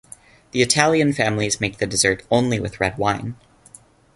The Italian families make the dessert only with red wine.